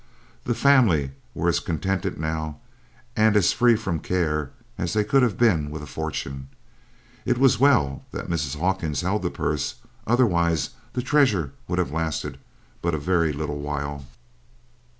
The family were as contented, now, and as free from care as they could have been with a fortune. It was well that Mrs. Hawkins held the purse otherwise the treasure would have lasted but a very little while.